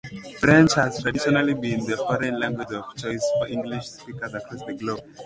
French has traditionally been the foreign language of choice for English-speakers across the globe.